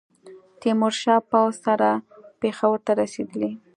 تېمورشاه پوځ سره پېښور ته رسېدلی.